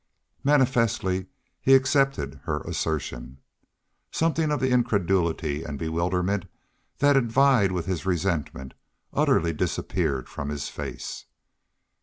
Manifestly he accepted her assertion. Something of incredulity and bewilderment, that had vied with his resentment, utterly disappeared from his face.